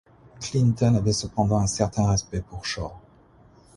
Clinton avait cependant un certain respect pour Shores.